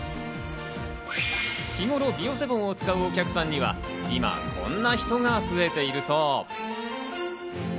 日頃、ビオセボンを使うお客さんには今こんな人が増えているそう。